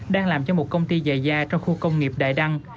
đang làm cho một công ty dài dài trong khu công nghiệp đại đăng